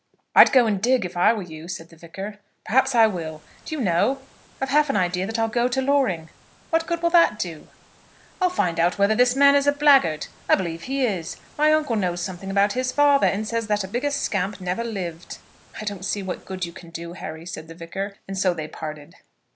"I'd go and dig, if I were you," said the Vicar. "Perhaps I will. Do you know, I've half an idea that I'll go to Loring." "What good will that do?" "I'll find out whether this man is a blackguard. I believe he is. My uncle knows something about his father, and says that a bigger scamp never lived." "I don't see what good you can do, Harry," said the Vicar. And so they parted.